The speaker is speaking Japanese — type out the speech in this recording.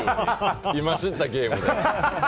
今、知ったゲームで。